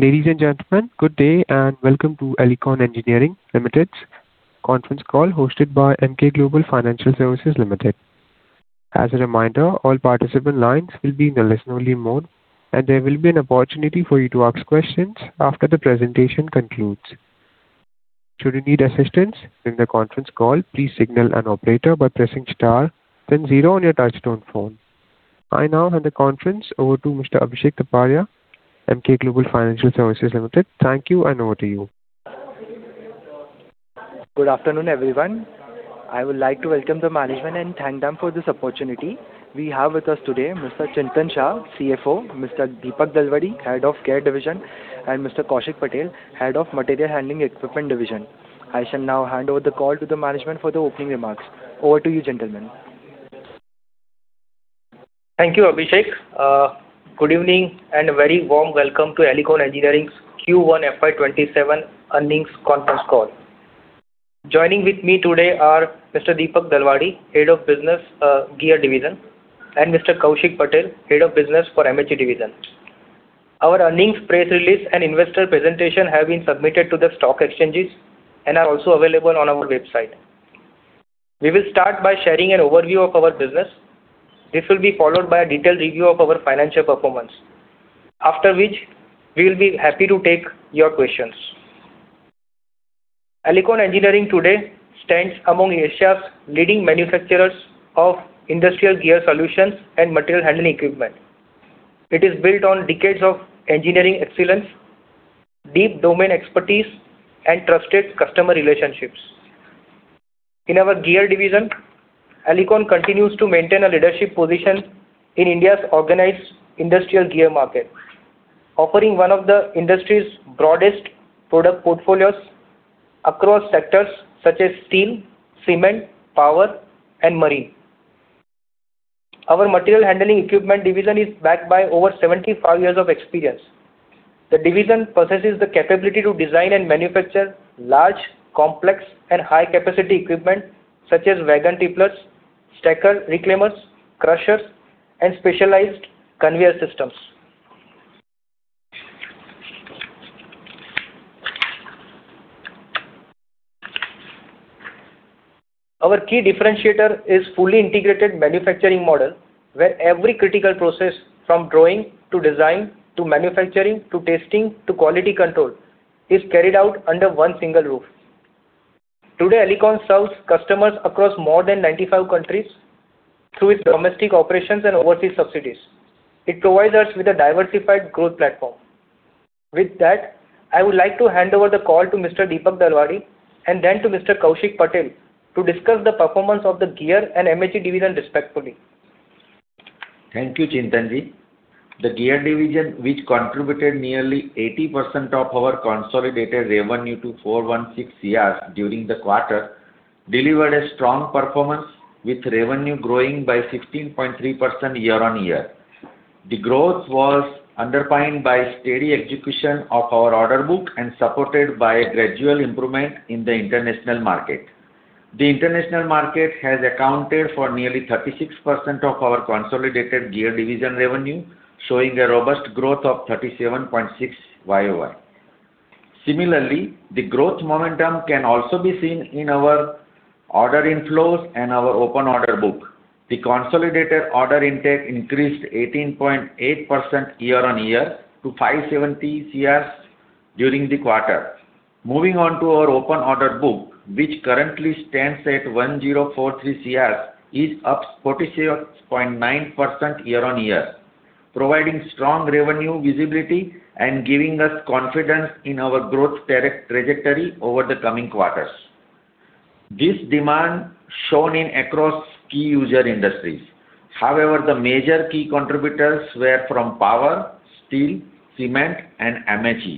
Ladies and gentlemen, good day and welcome to Elecon Engineering Limited's Conference Call hosted by Emkay Global Financial Services Limited. As a reminder, all participant lines will be in listen-only mode, and there will be an opportunity for you to ask questions after the presentation concludes. Should you need assistance during the conference call, please signal an operator by pressing star then zero on your touchtone phone. I now hand the conference over to Mr. Abhishek Taparia, Emkay Global Financial Services Limited. Thank you, and over to you. Good afternoon, everyone. I would like to welcome the management and thank them for this opportunity. We have with us today Mr. Chintan Shah, CFO, Mr. Dipak Dalwadi, Head of Gear Division, and Mr. Kaushik Patel, Head of Material Handling Equipment Division. I shall now hand over the call to the management for the opening remarks. Over to you, gentlemen. Thank you, Abhishek. Good evening, and a very warm welcome to Elecon Engineering's Q1 FY 2027 earnings conference call. Joining with me today are Mr. Dipak Dalwadi, Head of Business, Gear Division, and Mr. Kaushik Patel, Head of Business for MHE Division. Our earnings press release and investor presentation have been submitted to the stock exchanges and are also available on our website. We will start by sharing an overview of our business. This will be followed by a detailed review of our financial performance, after which we will be happy to take your questions. Elecon Engineering today stands among Asia's leading manufacturers of industrial gear solutions and material handling equipment. It is built on decades of engineering excellence, deep domain expertise, and trusted customer relationships. In our Gear Division, Elecon continues to maintain a leadership position in India's organized industrial gear market, offering one of the industry's broadest product portfolios across sectors such as steel, cement, power, and marine. Our Material Handling Equipment Division is backed by over 75 years of experience. The division possesses the capability to design and manufacture large, complex, and high-capacity equipment such as wagon tipplers, stacker reclaimers, crushers, and specialized conveyor systems. Our key differentiator is fully integrated manufacturing model, where every critical process from drawing to design to manufacturing to testing to quality control is carried out under one single roof. Today, Elecon serves customers across more than 95 countries through its domestic operations and overseas subsidies. It provides us with a diversified growth platform. With that, I would like to hand over the call to Mr. Dipak Dalwadi and then to Mr. Kaushik Patel to discuss the performance of the Gear and MHE division, respectively. Thank you, Chintan-ji. The Gear Division, which contributed nearly 80% of our consolidated revenue to 416 crores during the quarter, delivered a strong performance, with revenue growing by 16.3% year-on-year. The growth was underpinned by steady execution of our order book and supported by a gradual improvement in the international market. The international market has accounted for nearly 36% of our consolidated Gear Division revenue, showing a robust growth of 37.6% YoY. Similarly, the growth momentum can also be seen in our order inflows and our open order book. The consolidated order intake increased 18.8% year-on-year to 570 crores during the quarter. Moving on to our open order book, which currently stands at 1,043 crores, is up 46.9% year-on-year, providing strong revenue visibility and giving us confidence in our growth trajectory over the coming quarters. This demand is shown across key user industries. However, the major key contributors were from power, steel, cement, and MHE.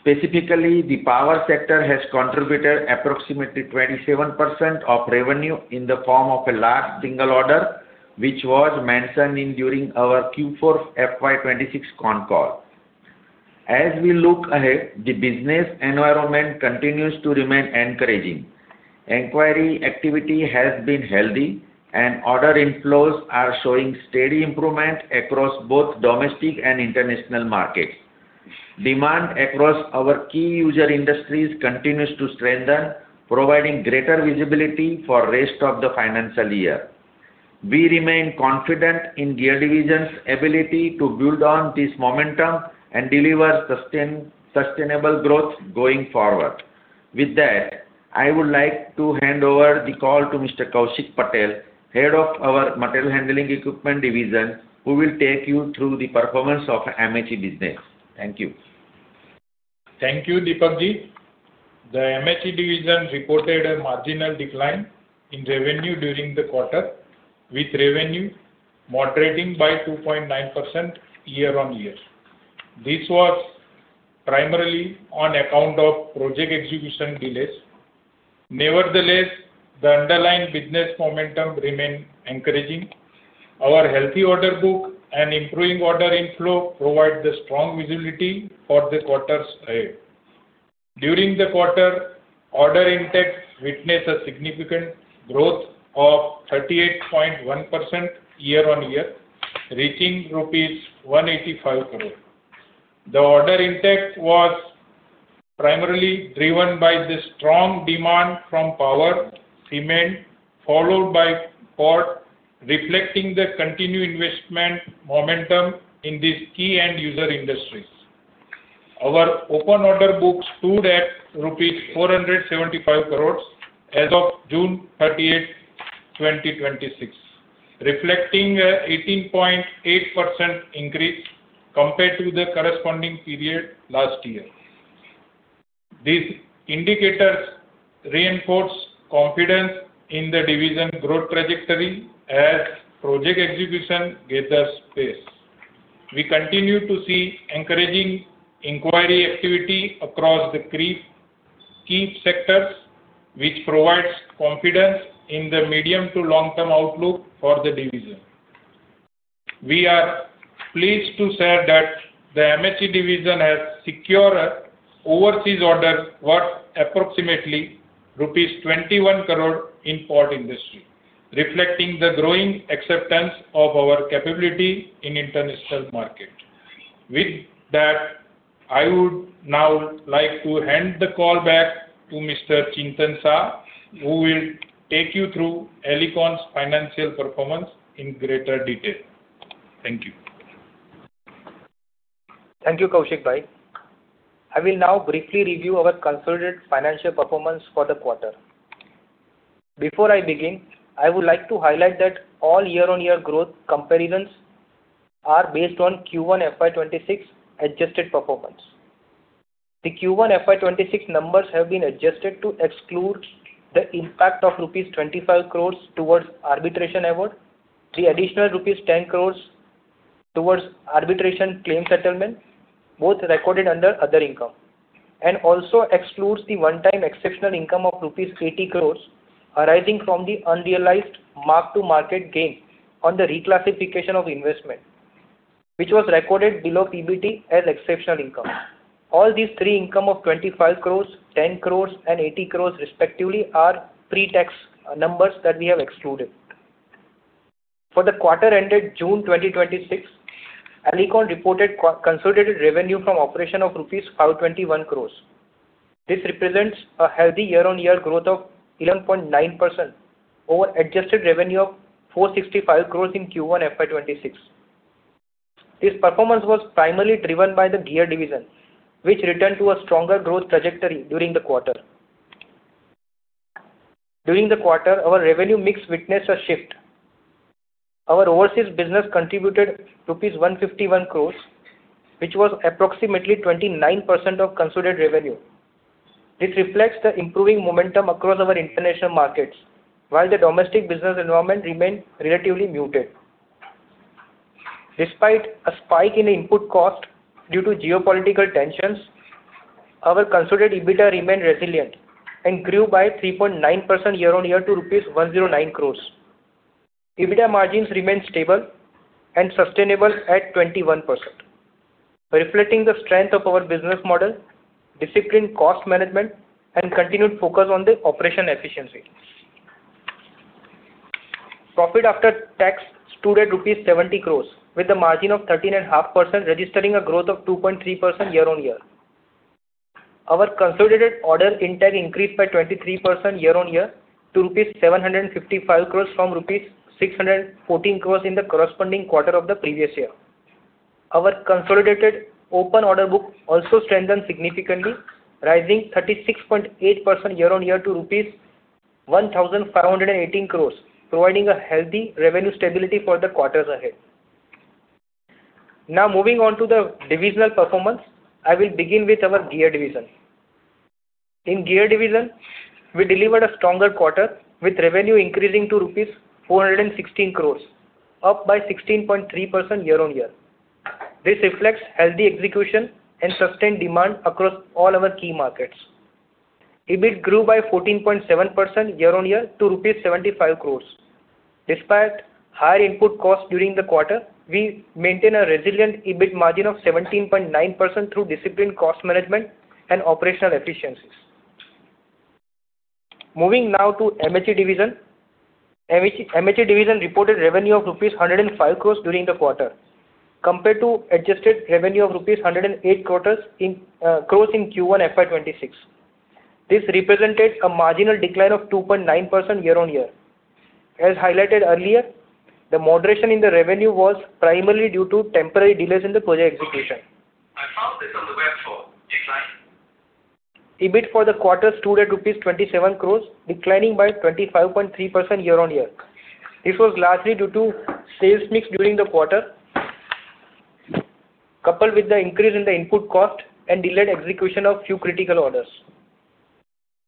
Specifically, the power sector has contributed approximately 27% of revenue in the form of a large single order, which was mentioned during our Q4 FY 2026 con call. As we look ahead, the business environment continues to remain encouraging. Inquiry activity has been healthy, and order inflows are showing steady improvement across both domestic and international markets. Demand across our key user industries continues to strengthen, providing greater visibility for rest of the financial year. We remain confident in Gear Division's ability to build on this momentum and deliver sustainable growth going forward. With that, I would like to hand over the call to Mr. Kaushik Patel, Head of our Material Handling Equipment Division, who will take you through the performance of MHE business. Thank you. Thank you, Dipak-ji. The MHE Division reported a marginal decline in revenue during the quarter, with revenue moderating by 2.9% year-on-year. This was primarily on account of project execution delays. Nevertheless, the underlying business momentum remained encouraging. Our healthy order book and improving order inflow provide strong visibility for the quarters ahead. During the quarter, order intake witnessed a significant growth of 38.1% year-on-year, reaching rupees 185 crores. The order intake was primarily driven by the strong demand from power, cement, followed by port, reflecting the continued investment momentum in these key end user industries. Our open order books stood at rupees 475 crores as of June 30th, 2026, reflecting an 18.8% increase compared to the corresponding period last year. These indicators reinforce confidence in the Division's growth trajectory as project execution gathers pace. We continue to see encouraging inquiry activity across the key sectors, which provides confidence in the medium to long-term outlook for the division. We are pleased to share that the MHE division has secured overseas orders worth approximately rupees 21 crore in port industry, reflecting the growing acceptance of our capability in international market. With that, I would now like to hand the call back to Mr. Chintan Shah, who will take you through Elecon's financial performance in greater detail. Thank you. Thank you, Kaushik bhai. I will now briefly review our consolidated financial performance for the quarter. Before I begin, I would like to highlight that all year-on-year growth comparisons are based on Q1 FY 2026 adjusted performance. The Q1 FY 2026 numbers have been adjusted to exclude the impact of rupees 25 crores towards arbitration award, the additional rupees 10 crores towards arbitration claim settlement, both recorded under other income, and also excludes the one-time exceptional income of rupees 80 crores arising from the unrealized mark-to-market gain on the reclassification of investment, which was recorded below PBT as exceptional income. All these three income of 25 crores, 10 crores, and 80 crores respectively are pre-tax numbers that we have excluded. For the quarter ended June 2026, Elecon reported consolidated revenue from operation of rupees 521 crores. This represents a healthy year-on-year growth of 11.9% over adjusted revenue of 465 crores in Q1 FY 2026. This performance was primarily driven by the Gear Division, which returned to a stronger growth trajectory during the quarter. During the quarter, our revenue mix witnessed a shift. Our overseas business contributed rupees 151 crores, which was approximately 29% of consolidated revenue. This reflects the improving momentum across our international markets while the domestic business environment remained relatively muted. Despite a spike in input cost due to geopolitical tensions, our consolidated EBITDA remained resilient and grew by 3.9% year-on-year to rupees 109 crores. EBITDA margins remained stable and sustainable at 21%, reflecting the strength of our business model, disciplined cost management, and continued focus on the operation efficiency. Profit after tax stood at rupees 70 crores with a margin of 13.5%, registering a growth of 2.3% year-on-year. Our consolidated order intake increased by 23% year-on-year to rupees 755 crores from rupees 614 crores in the corresponding quarter of the previous year. Our consolidated open order book also strengthened significantly, rising 36.8% year-on-year to rupees 1,518 crores, providing a healthy revenue stability for the quarters ahead. Now moving on to the divisional performance, I will begin with our Gear Division. In Gear Division, we delivered a stronger quarter with revenue increasing to rupees 416 crores, up by 16.3% year-on-year. This reflects healthy execution and sustained demand across all our key markets. EBIT grew by 14.7% year-on-year to rupees 75 crores. Despite higher input costs during the quarter, we maintain a resilient EBIT margin of 17.9% through disciplined cost management and operational efficiencies. Moving now to MHE Division. MHE division reported revenue of rupees 105 crores during the quarter, compared to adjusted revenue of rupees 108 crores in Q1 FY 2026. This represents a marginal decline of 2.9% year-on-year. As highlighted earlier, the moderation in the revenue was primarily due to temporary delays in the project execution. EBIT for the quarter stood at rupees 27 crores, declining by 25.3% year-on-year. This was largely due to sales mix during the quarter, coupled with the increase in the input cost and delayed execution of few critical orders.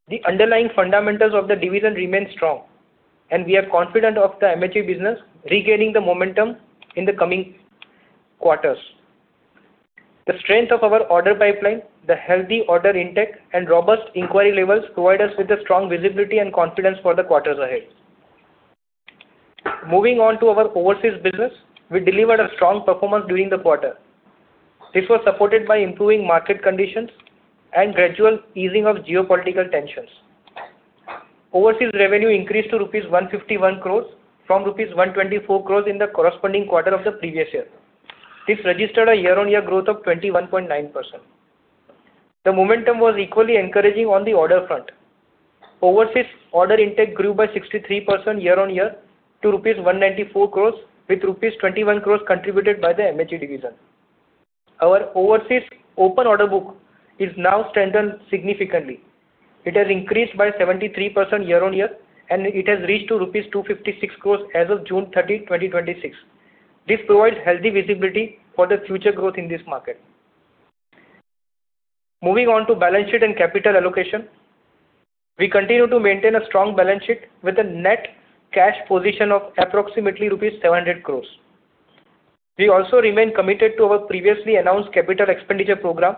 The underlying fundamentals of the division remain strong, and we are confident of the MHE business regaining the momentum in the coming quarters. The strength of our order pipeline, the healthy order intake, and robust inquiry levels provide us with a strong visibility and confidence for the quarters ahead. Moving on to our overseas business, we delivered a strong performance during the quarter. This was supported by improving market conditions and gradual easing of geopolitical tensions. Overseas revenue increased to rupees 151 crores from rupees 124 crores in the corresponding quarter of the previous year. This registered a year-on-year growth of 21.9%. The momentum was equally encouraging on the order front. Overseas order intake grew by 63% year-on-year to rupees 194 crores, with rupees 21 crores contributed by the MHE division. Our overseas open order book is now strengthened significantly. It has increased by 73% year-on-year, and it has reached to rupees 256 crores as of June 30, 2026. This provides healthy visibility for the future growth in this market. Moving on to balance sheet and capital allocation. We continue to maintain a strong balance sheet with a net cash position of approximately rupees 700 crores. We also remain committed to our previously announced capital expenditure program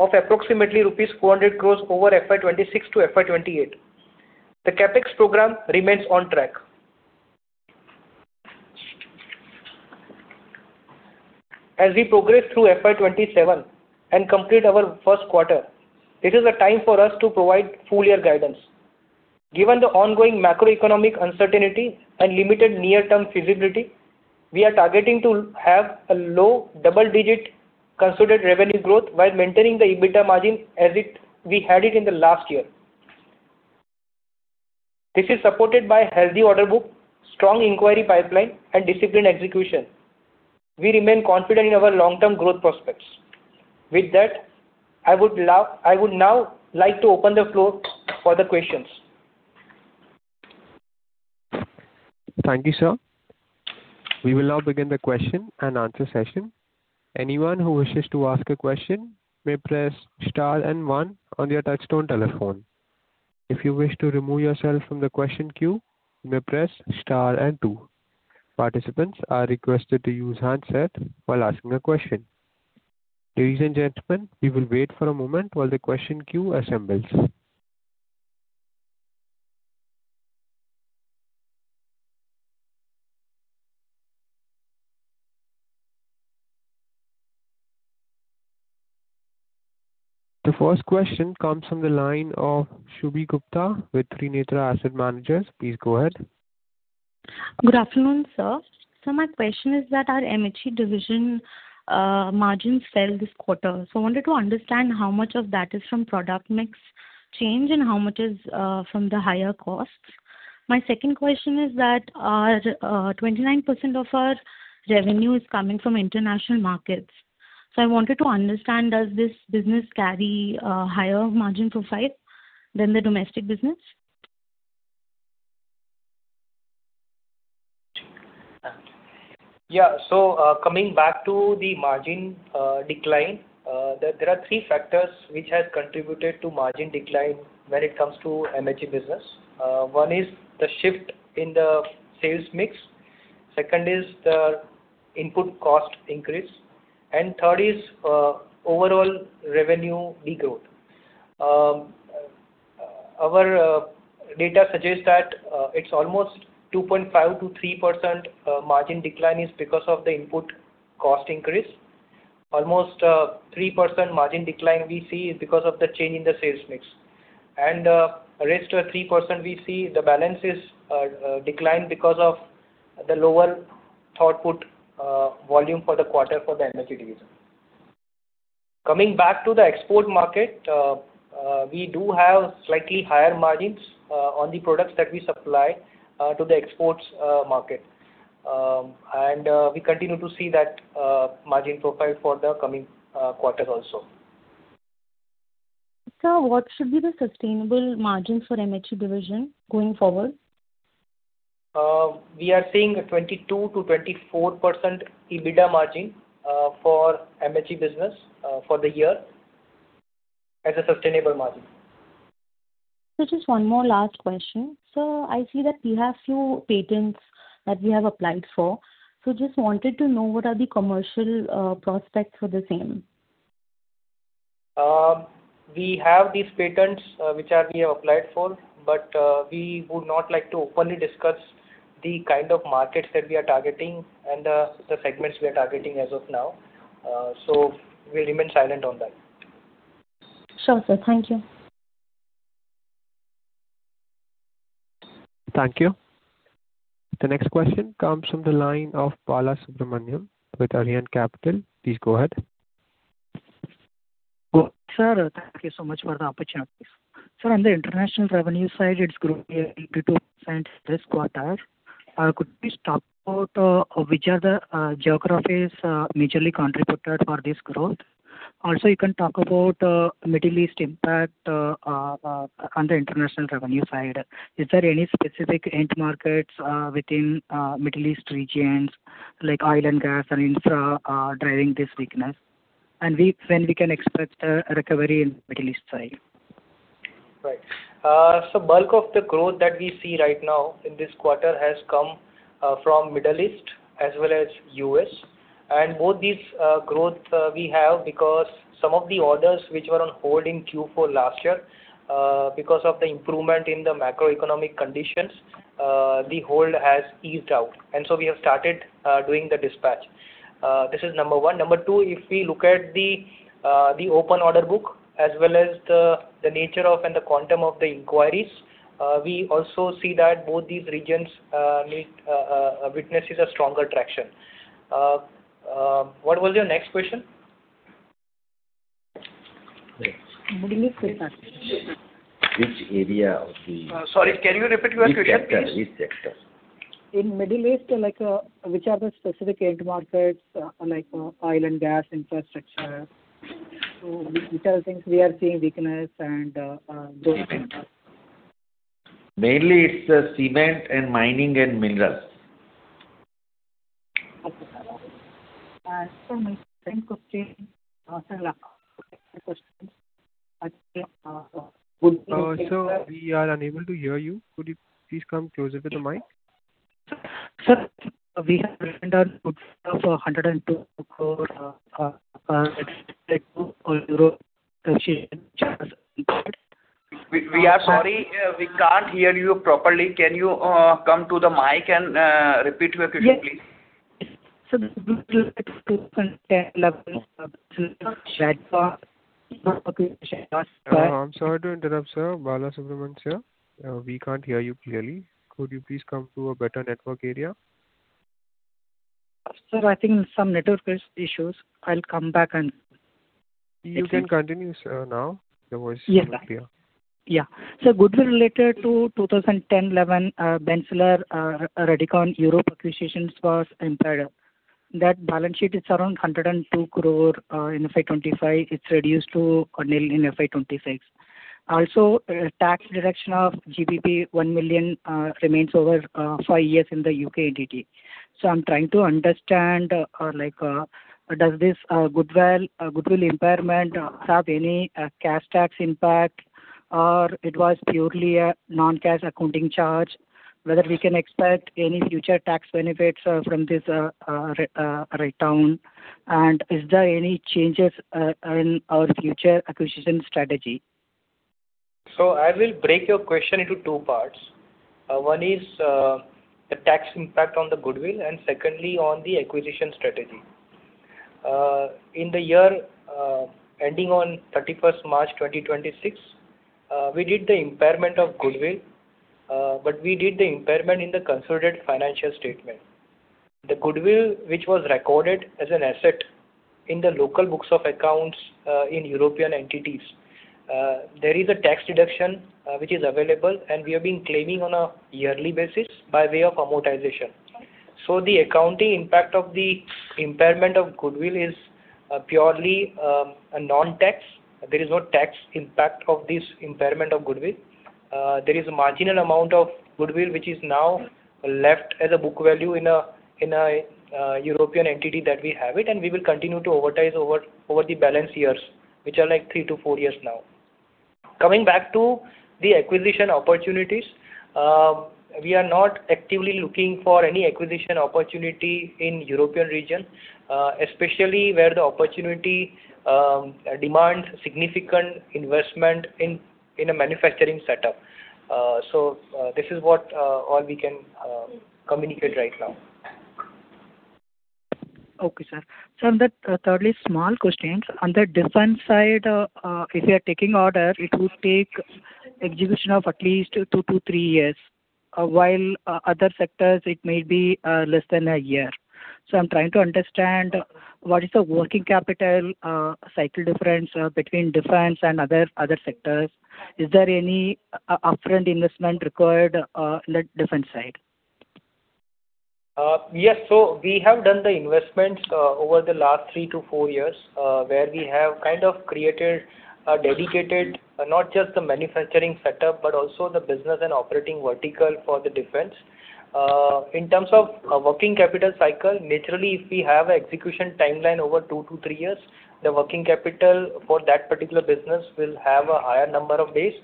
of approximately rupees 400 crores over FY 2026 to FY 2028. The CapEx program remains on track. As we progress through FY 2027 and complete our first quarter, it is a time for us to provide full year guidance. Given the ongoing macroeconomic uncertainty and limited near-term visibility, we are targeting to have a low double-digit consolidated revenue growth while maintaining the EBITDA margin as we had it in the last year. This is supported by a healthy order book, strong inquiry pipeline, and disciplined execution. We remain confident in our long-term growth prospects. With that, I would now like to open the floor for the questions. Thank you, sir. We will now begin the question and answer session. Anyone who wishes to ask a question may press star and one on your touch-tone telephone. If you wish to remove yourself from the question queue, you may press star and two. Participants are requested to use handset while asking a question. Ladies and gentlemen, we will wait for a moment while the question queue assembles. The first question comes from the line of Shubhi Gupta with Trinetra Asset Managers. Please go ahead. Good afternoon, sir. My question is that our MHE division margins fell this quarter. I wanted to understand how much of that is from product mix change and how much is from the higher costs. My second question is that 29% of our revenue is coming from international markets. I wanted to understand, does this business carry a higher margin profile than the domestic business? Yeah. Coming back to the margin decline, there are three factors which has contributed to margin decline when it comes to MHE business. One is the shift in the sales mix, second is the input cost increase, and third is overall revenue de-growth. Our data suggests that it's almost 2.5%-3% margin decline is because of the input cost increase. Almost 3% margin decline we see is because of the change in the sales mix. Rest 3% we see the balance is declined because of the lower throughput volume for the quarter for the MHE division. Coming back to the export market, we do have slightly higher margins on the products that we supply to the exports market. We continue to see that margin profile for the coming quarters also. Sir, what should be the sustainable margin for MHE division going forward? We are seeing a 22%-24% EBITDA margin for MHE business for the year as a sustainable margin. Just one more last question. Sir, I see that we have few patents that we have applied for. Just wanted to know what are the commercial prospects for the same. We have these patents which we have applied for, but we would not like to openly discuss the kind of markets that we are targeting and the segments we are targeting as of now. We'll remain silent on that. Sure, sir. Thank you. Thank you. The next question comes from the line of Balasubramanian with Arihant Capital. Please go ahead. Sir, thank you so much for the opportunity. Sir, on the international revenue side, it has grown 82% this quarter. Could you please talk about which are the geographies majorly contributed for this growth? Also, you can talk about Middle East impact on the international revenue side. Is there any specific end markets within Middle East regions like oil and gas and infra driving this weakness? When we can expect a recovery in Middle East side? Right. Bulk of the growth that we see right now in this quarter has come from Middle East as well as U.S. Both these growth we have because some of the orders which were on hold in Q4 last year, because of the improvement in the macroeconomic conditions, the hold has eased out. So we have started doing the dispatch. This is number one. Number two, if we look at the open order book as well as the nature of and the quantum of the inquiries, we also see that both these regions witnesses a stronger traction. What was your next question? Middle East. Which area of the? Sorry, can you repeat your question, please? Which sector? In Middle East, which are the specific end markets, like oil and gas infrastructure? Which are the things we are seeing weakness and growth? Mainly it's the cement and mining and minerals. Okay. Sir, my second question. Sir, last two questions. Sir, we are unable to hear you. Could you please come closer to the mic? Sir, we have goodwill of 102 crore We are sorry, we can't hear you properly. Can you come to the mic and repeat your question, please? Yes. Sir I'm sorry to interrupt, sir. Balasubramanian here. We can't hear you clearly. Could you please come to a better network area? Sir, I think some network issues. I'll come back. You can continue, sir, now. The voice is more clear. Sir, goodwill related to 2010-2011, Benzler, Radicon Europe acquisitions was impaired. That balance sheet is around 102 crore in FY 2025. It's reduced to nil in FY 2026. Also, tax deduction of GBP 1 million remains over five years in the U.K. entity. I'm trying to understand, does this goodwill impairment have any cash tax impact, or it was purely a non-cash accounting charge? Whether we can expect any future tax benefits from this write-down. Is there any changes in our future acquisition strategy? I will break your question into two parts. One is the tax impact on the goodwill, and secondly, on the acquisition strategy. In the year ending on 31st March 2026, we did the impairment of goodwill. We did the impairment in the consolidated financial statement. The goodwill which was recorded as an asset in the local books of accounts, in European entities. There is a tax deduction which is available, and we have been claiming on a yearly basis by way of amortization. The accounting impact of the impairment of goodwill is purely a non-tax. There is no tax impact of this impairment of goodwill. There is a marginal amount of goodwill which is now left as a book value in a European entity that we have it, and we will continue to amortize over the balance years, which are three to four years now. Coming back to the acquisition opportunities, we are not actively looking for any acquisition opportunity in European region, especially where the opportunity demands significant investment in a manufacturing setup. This is what all we can communicate right now. Okay, sir. Sir, on that thirdly small question. On the defense side, if you are taking order, it will take execution of at least two to three years. While other sectors, it may be less than a year. I'm trying to understand what is the working capital cycle difference between defense and other sectors. Is there any upfront investment required on the defense side? Yes, we have done the investments over the last three-four years, where we have kind of created a dedicated, not just the manufacturing setup, but also the business and operating vertical for the defense. In terms of working capital cycle, naturally, if we have execution timeline over two-three years, the working capital for that particular business will have a higher number of days.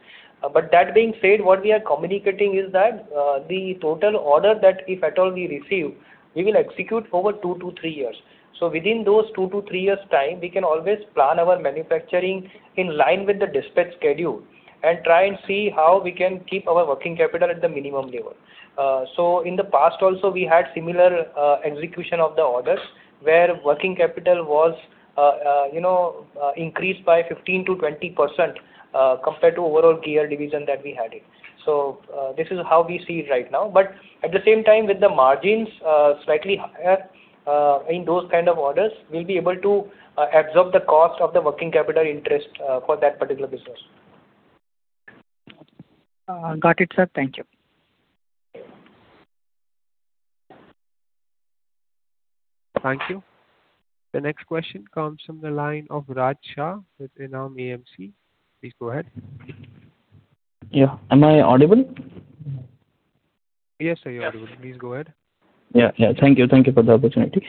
That being said, what we are communicating is that, the total order that if at all we receive, we will execute over two-three years. Within those two to three years' time, we can always plan our manufacturing in line with the dispatch schedule and try and see how we can keep our working capital at the minimum level. In the past also, we had similar execution of the orders where working capital was increased by 15%-20% compared to overall Gear Division that we had it. This is how we see right now, but at the same time, with the margins slightly higher in those kind of orders, we'll be able to absorb the cost of the working capital interest for that particular business. Got it, sir. Thank you. Thank you. The next question comes from the line of Raj Shah with Enam AMC. Please go ahead. Yeah. Am I audible? Yes, sir, you're audible. Please go ahead. Yeah. Thank you for the opportunity.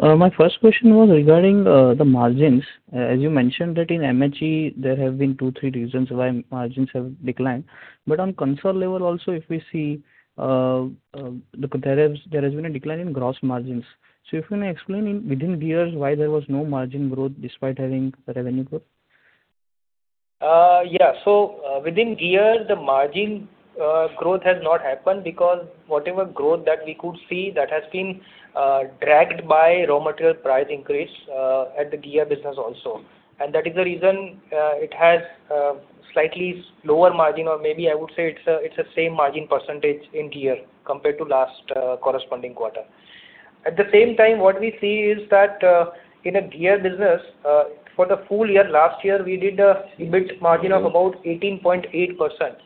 My first question was regarding the margins. As you mentioned that in MHE, there have been two, three reasons why margins have declined. On consolidated level also, if we see, there has been a decline in gross margins. If you may explain within Gear why there was no margin growth despite having revenue growth? Yeah. Within Gears, the margin growth has not happened because whatever growth that we could see, that has been dragged by raw material price increase at the Gear business also. That is the reason it has slightly lower margin, or maybe I would say it's the same margin percentage in Gear compared to last corresponding quarter. At the same time, what we see is that in a Gear business for the full year, last year, we did EBIT margin of about 18.8%.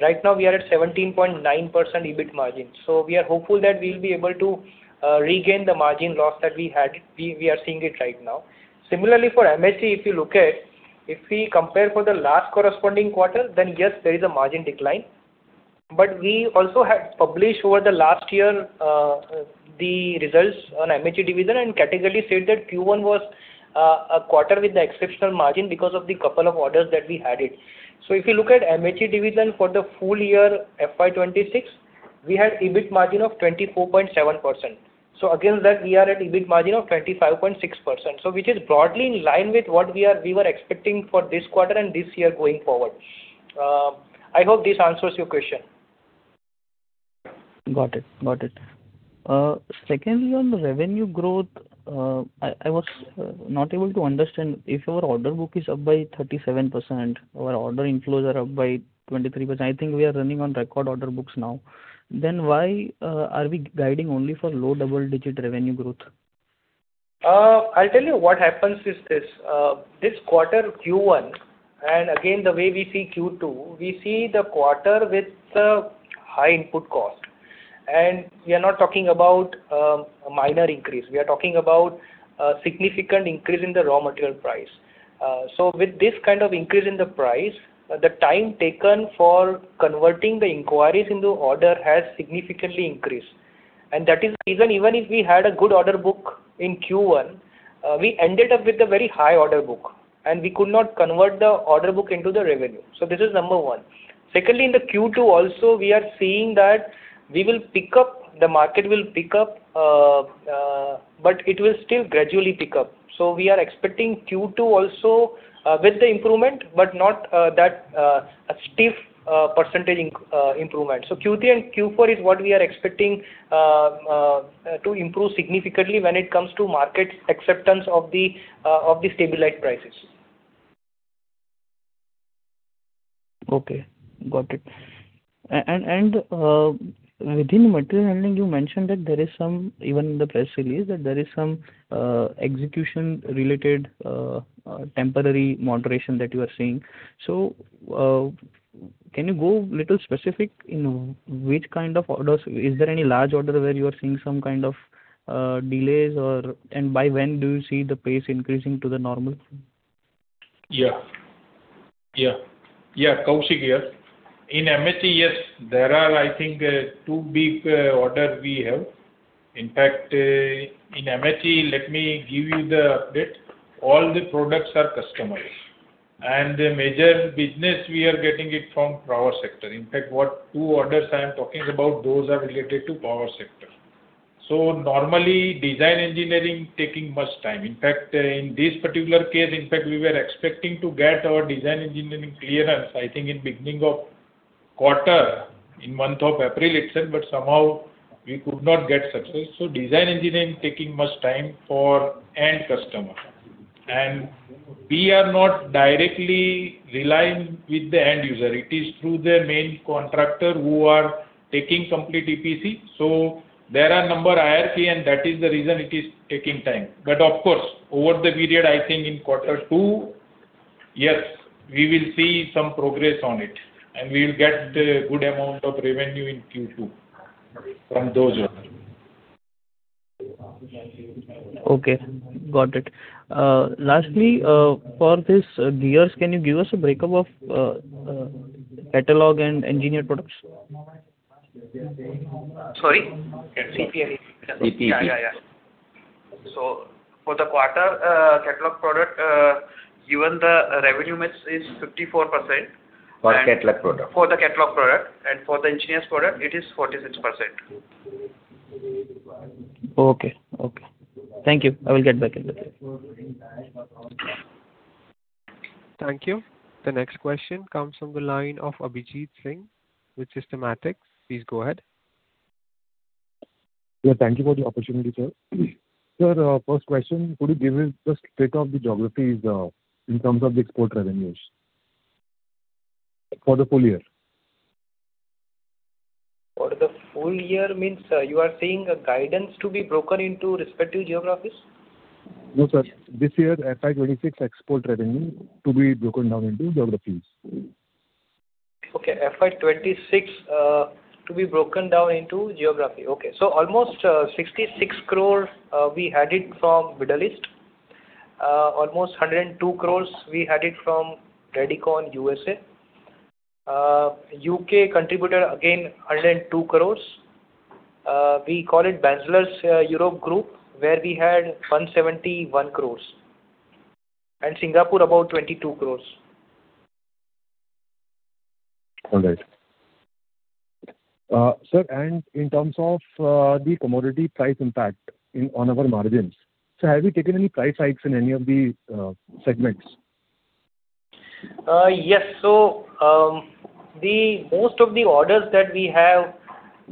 Right now we are at 17.9% EBIT margin. We are hopeful that we will be able to regain the margin loss that we had. We are seeing it right now. Similarly, for MHE, if you look at, if we compare for the last corresponding quarter, then yes, there is a margin decline. We also had published over the last year, the results on MHE division and categorically said that Q1 was a quarter with the exceptional margin because of the couple of orders that we added. If you look at MHE division for the full year, FY 2026, we had EBIT margin of 24.7%. Against that, we are at EBIT margin of 25.6%. Which is broadly in line with what we were expecting for this quarter and this year going forward. I hope this answers your question. Got it. Secondly, on the revenue growth, I was not able to understand if our order book is up by 37%, our order inflows are up by 23%, I think we are running on record order books now. Why are we guiding only for low double-digit revenue growth? I'll tell you what happens is this. This quarter, Q1, the way we see Q2, we see the quarter with a high input cost. We are not talking about a minor increase. We are talking about a significant increase in the raw material price. With this kind of increase in the price, the time taken for converting the inquiries into order has significantly increased. That is the reason, even if we had a good order book in Q1, we ended up with a very high order book, and we could not convert the order book into the revenue. This is number one. Secondly, in the Q2 also, we are seeing that the market will pick up, but it will still gradually pick up. We are expecting Q2 also with the improvement, but not that steep percentage improvement. Q3 and Q4 is what we are expecting to improve significantly when it comes to market acceptance of the stabilized prices. Okay, got it. Within material handling, you mentioned that there is some, even in the press release, that there is some execution related temporary moderation that you are seeing. Can you go little specific in which kind of orders? Is there any large order where you are seeing some kind of delays or, and by when do you see the pace increasing to the normal? Yeah. Kaushik here. In MHE, yes, there are, I think, two big order we have. In fact, in MHE, let me give you the update. All the products are customized, and the major business, we are getting it from power sector. In fact, what two orders I am talking about, those are related to power sector. Normally, design engineering taking much time. In fact, in this particular case, in fact, we were expecting to get our design engineering clearance, I think in beginning of quarter, in month of April itself, but somehow we could not get success. Design engineering taking much time for end customer. We are not directly relying with the end user. It is through their main contractor who are taking complete EPC. There are number hierarchy, and that is the reason it is taking time. Over the period, I think in quarter two, yes, we will see some progress on it, and we will get good amount of revenue in Q2 from those orders. Okay. Got it. Lastly, for this Gears, can you give us a breakup of catalog and engineered products? Sorry. For the quarter, catalog product, even the revenue mix is 54%. For catalog product. For the catalog product, and for the engineers product, it is 46%. Okay. Thank you. I will get back in touch. Thank you. The next question comes from the line of Abhijeet Singh with Systematix. Please go ahead. Yeah, thank you for the opportunity, sir. Sir, first question, could you give me the split of the geographies in terms of the export revenues for the full year? For the full year means you are saying guidance to be broken into respective geographies? No, sir. This year, FY 2026 export revenue to be broken down into geographies. Okay. FY 2026 to be broken down into geography. Okay. Almost 66 crores we had it from Middle East. Almost 102 crores we had it from Radicon, U.S.A. U.K. contributed again 102 crores. We call it Benzler Europe Group, where we had 171 crores. Singapore about 22 crores. All right. Sir, in terms of the commodity price impact on our margins, sir, have you taken any price hikes in any of the segments? Yes. Most of the orders that we have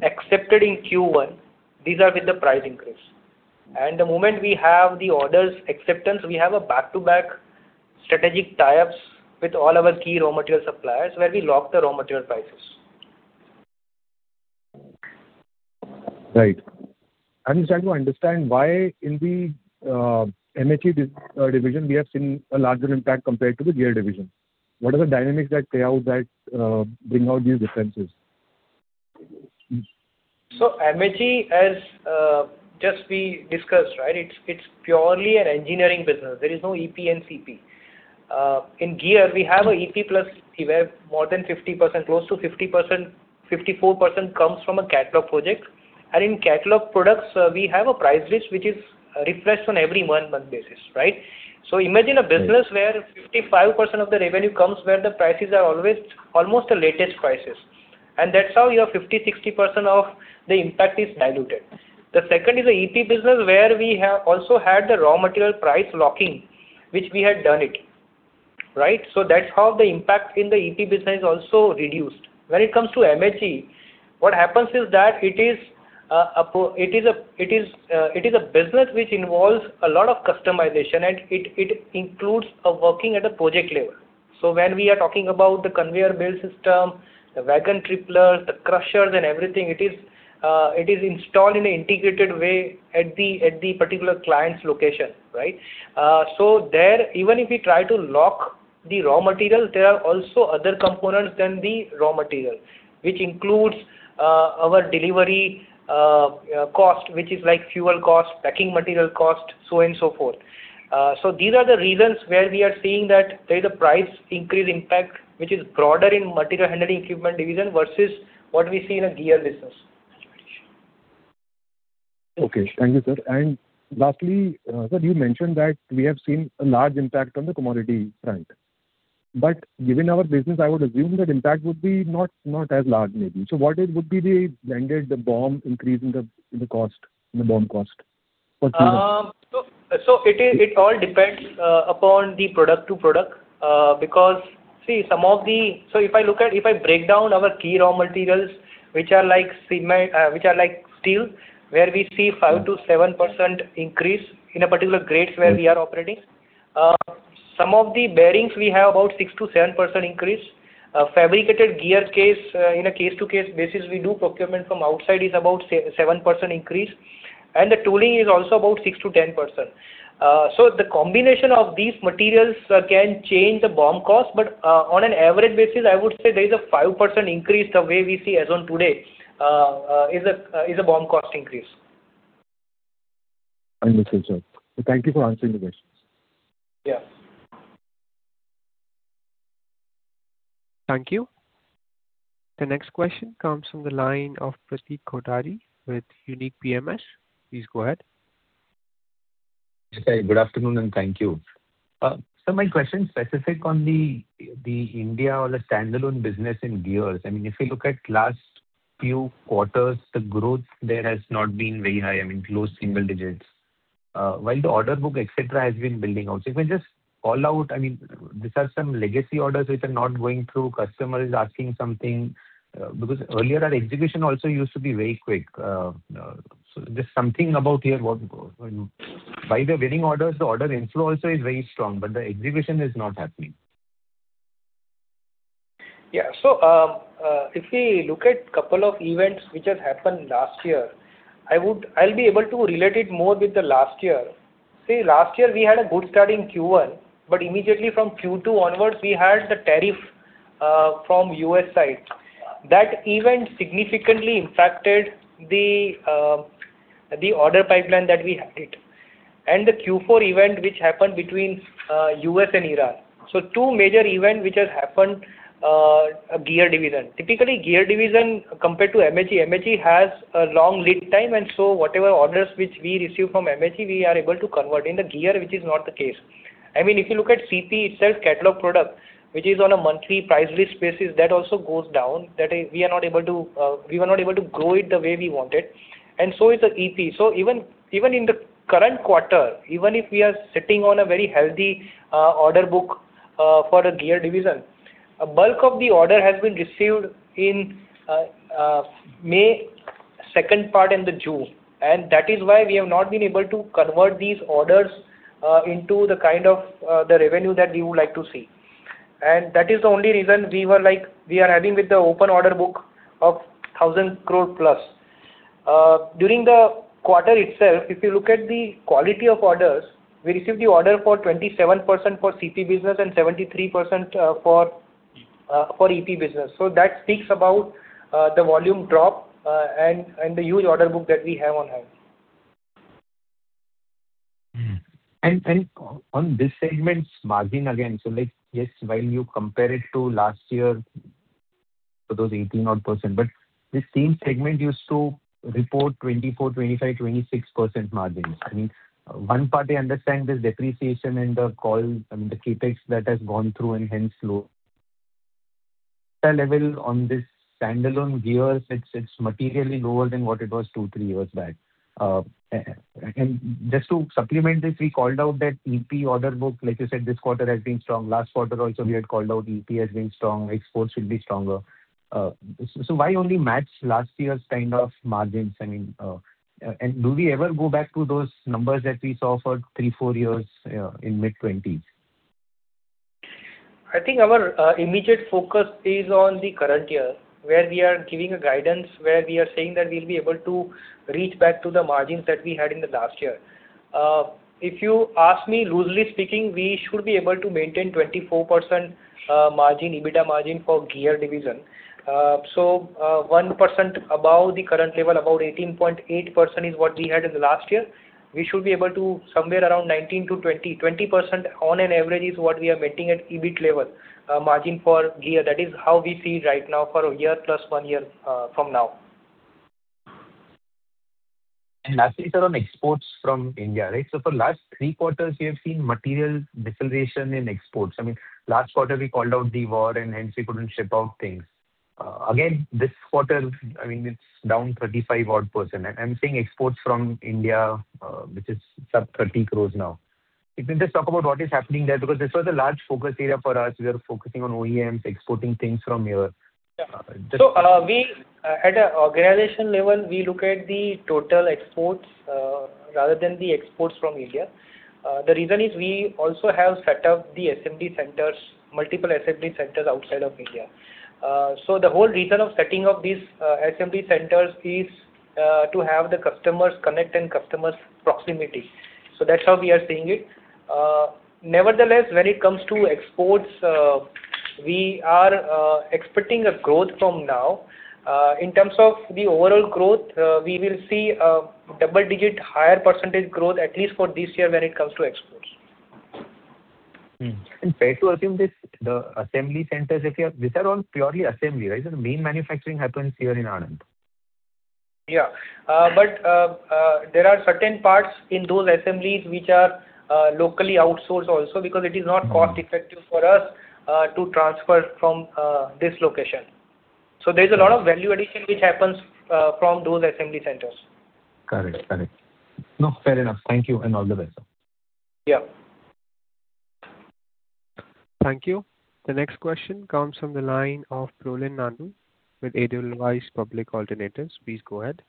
accepted in Q1, these are with the price increase. The moment we have the orders acceptance, we have a back-to-back strategic tie-ups with all our key raw material suppliers, where we lock the raw material prices. Right. I'm trying to understand why in the MHE division, we have seen a larger impact compared to the Gear division. What are the dynamics that play out that bring out these differences? MHE, as just we discussed, right, it's purely an engineering business. There is no EP and CP. In Gear, we have a EP plus, we have more than 50%, close to 50%, 54% comes from a catalog project. In catalog products, we have a price list, which is refreshed on every one month basis, right? Imagine a business where 55% of the revenue comes where the prices are always almost the latest prices. That's how your 50%, 60% of the impact is diluted. The second is a EP business where we have also had the raw material price locking, which we had done it. Right? That's how the impact in the EP business also reduced. When it comes to MHE, what happens is that it is a business which involves a lot of customization, and it includes working at a project level. When we are talking about the conveyor belt system, the wagon tipplers, the crushers and everything, it is installed in an integrated way at the particular client's location. Right? There, even if we try to lock the raw material, there are also other components than the raw material, which includes our delivery cost, which is like fuel cost, packing material cost, so on and so forth. These are the reasons where we are seeing that there is a price increase impact, which is broader in material handling equipment division versus what we see in a Gear business. Okay. Thank you sir. Lastly, sir, you mentioned that we have seen a large impact on the commodity front. Given our business, I would assume that impact would be not as large maybe. What would be the blended, the BOM increase in the BOM cost for Q1? It all depends upon the product to product, because if I break down our key raw materials, which are like steel, where we see 5%-7% increase in a particular grades where we are operating. Some of the bearings we have about 6%-7% increase. Fabricated gear case, in a case to case basis, we do procurement from outside, is about 7% increase. The tooling is also about 6%-10%. The combination of these materials can change the BOM cost, but on an average basis, I would say there is a 5% increase the way we see as on today, is a BOM cost increase. Thank you, sir. Thank you for answering the questions. Yeah. Thank you. The next question comes from the line of Pratik Kothari with Unique PMS. Please go ahead. Yes. Good afternoon, and thank you. Sir, my question specific on the India or the standalone business in Gear. I mean, if you look at last few quarters, the growth there has not been very high, I mean, low single digits. While the order book, et cetera, has been building out. If you just call out, I mean, these are some legacy orders which are not going through, customer is asking something. Earlier our execution also used to be very quick. Just something about here what By the way, winning orders, the order inflow also is very strong, but the execution is not happening. Yeah. If we look at couple of events which has happened last year, I will be able to relate it more with the last year. See, last year we had a good start in Q1, but immediately from Q2 onwards, we had the tariff from U.S. side. That event significantly impacted the order pipeline that we had. The Q4 event which happened between U.S. and Iran. Two major events which has happened, Gear Division. Typically, Gear Division compared to MHE has a long lead time, whatever orders which we receive from MHE, we are able to convert. In the Gear, which is not the case. I mean, if you look at CP itself, catalog product, which is on a monthly price list basis, that also goes down. We were not able to grow it the way we wanted. So is the EP. Even in the current quarter, even if we are sitting on a very healthy order book for a Gear Division, a bulk of the order has been received in May second part and the June. That is why we have not been able to convert these orders into the kind of the revenue that we would like to see. That is the only reason we are having with the open order book of 1,000 crore+. During the quarter itself, if you look at the quality of orders, we received the order for 27% for CP business and 37% for EP business. That speaks about the volume drop, and the huge order book that we have on hand. On this segment's margin again. Like, yes, while you compare it to last year, for those 18% odd, but the same segment used to report 24%, 25%, 26% margins. I mean, one part I understand there is depreciation in the CapEx that has gone through and hence low level on this standalone Gear, it is materially lower than what it was two, three years back. Just to supplement this, we called out that EP order book, like you said, this quarter has been strong. Last quarter also, we had called out EP has been strong, exports will be stronger. Why only match last year's kind of margins? Do we ever go back to those numbers that we saw for three, four years in mid 20s? I think our immediate focus is on the current year, where we are giving a guidance, where we will be able to reach back to the margins that we had in the last year. If you ask me, loosely speaking, we should be able to maintain 24% EBITDA margin for Gear Division. 1% above the current level, about 18.8%, is what we had in the last year. We should be able to somewhere around 19%-20%. 20% on an average is what we are maintaining at EBIT level margin for Gear. That is how we see right now for a year plus one year from now. Lastly, sir, on exports from India. For last three quarters, we have seen material deceleration in exports. Last quarter, we called out the war, and hence we could not ship out things. Again, this quarter, it is down 35%-odd. I am seeing exports from India, which is sub 30 crores now. If you just talk about what is happening there, because this was a large focus area for us. We are focusing on OEMs exporting things from here. Yeah. At an organization level, we look at the total exports rather than the exports from India. The reason is we also have set up the assembly centers, multiple assembly centers outside of India. The whole reason of setting up these assembly centers is to have the customers connect and customers proximity. That is how we are seeing it. Nevertheless, when it comes to exports, we are expecting a growth from now. In terms of the overall growth, we will see a double-digit higher percentage growth, at least for this year when it comes to exports. Fair to assume the assembly centers, these are all purely assembly, right? The main manufacturing happens here in Anand. There are certain parts in those assemblies which are locally outsourced also because it is not cost effective for us to transfer from this location. There's a lot of value addition which happens from those assembly centers. Correct. Fair enough. Thank you, and all the best. Yeah. Thank you. The next question comes from the line of Prolin Nandu with Edelweiss Public Alternatives. Please go ahead.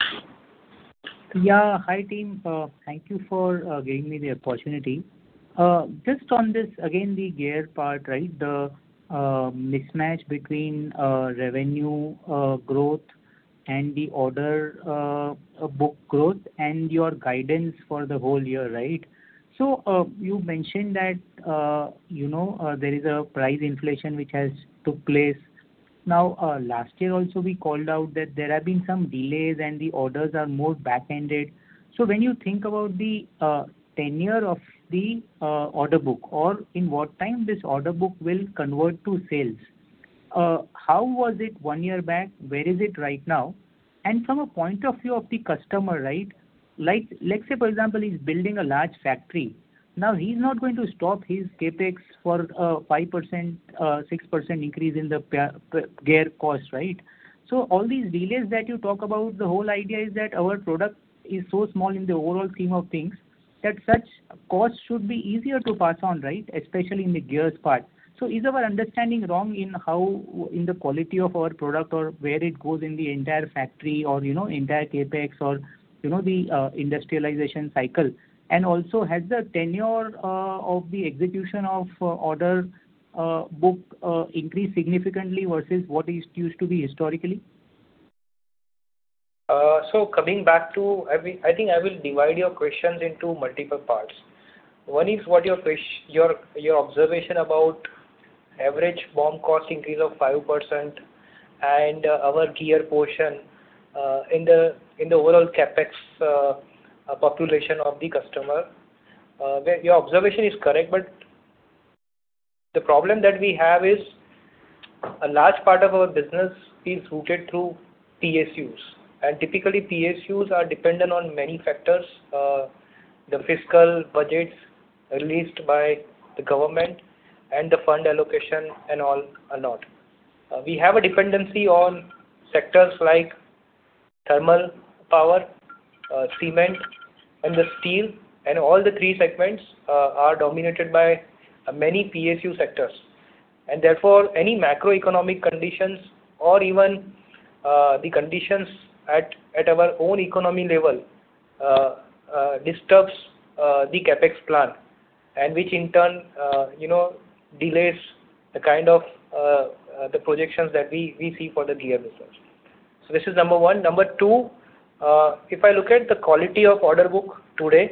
Hi, team. Thank you for giving me the opportunity. Just on this, again, the gear part. The mismatch between revenue growth and the order book growth and your guidance for the whole year. You mentioned that there is a price inflation which has took place. Last year also, we called out that there have been some delays and the orders are more back-ended. When you think about the tenure of the order book or in what time this order book will convert to sales, how was it one year back? Where is it right now? From a point of view of the customer. Let's say, for example, he's building a large factory. He's not going to stop his CapEx for a 5%, 6% increase in the gear cost, right? All these delays that you talk about, the whole idea is that our product is so small in the overall scheme of things that such costs should be easier to pass on, especially in the gears part. Is our understanding wrong in the quality of our product or where it goes in the entire factory or entire CapEx or the industrialization cycle? Has the tenure of the execution of order book increased significantly versus what it used to be historically? I think I will divide your questions into multiple parts. One is what your observation about average BOM cost increase of 5% and our gear portion, in the overall CapEx population of the customer. Your observation is correct, the problem that we have is a large part of our business is rooted through PSUs, typically, PSUs are dependent on many factors. The fiscal budgets released by the government and the fund allocation, and all and not. We have a dependency on sectors like thermal power, cement, and the steel, all the three segments are dominated by many PSU sectors. Any macroeconomic conditions or even the conditions at our own economy level disturbs the CapEx plan, which in turn delays the kind of the projections that we see for the gear business. This is number one. Number two, if I look at the quality of order book today,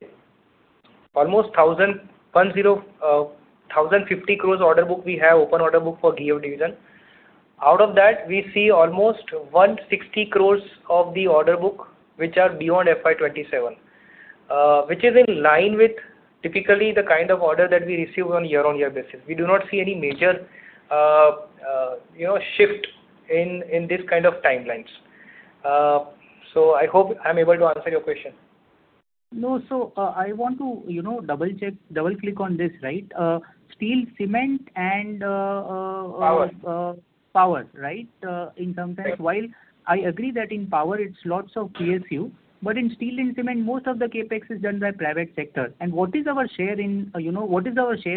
almost 1,050 crore order book we have open order book for Gear Division. Out of that, we see almost 160 crore of the order book, which are beyond FY 2027, which is in line with typically the kind of order that we receive on year-on-year basis. We do not see any major shift in this kind of timelines. I hope I'm able to answer your question. No. I want to double-click on this. Steel, cement, and-- Power. power, right? In some sense, while I agree that in power it's lots of PSU, but in steel and cement, most of the CapEx is done by private sector. What is our share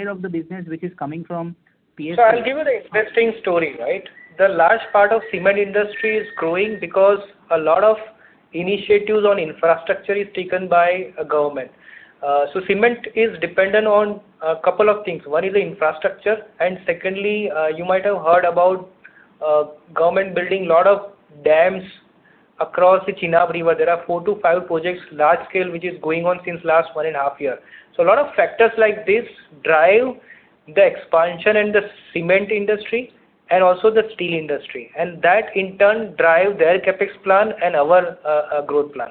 of the business which is coming from PSU? I'll give you the interesting story. The large part of cement industry is growing because a lot of initiatives on infrastructure is taken by government. Cement is dependent on a couple of things. One is the infrastructure, and secondly, you might have heard about government building a lot of dams across the Chenab River. There are four to five projects, large scale, which is going on since last 1.5 year. A lot of factors like this drive the expansion in the cement industry and also the steel industry. That in turn drive their CapEx plan and our growth plan.